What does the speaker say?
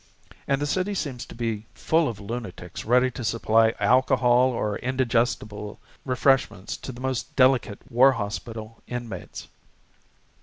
And the city seems to be full of lunatics ready to supply alcohol or indigestible refreshments to the most delicate war hospital inmates.